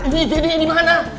jadi ini dimana